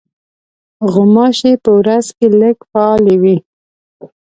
غوماشې په ورځ کې لږ فعالې وي.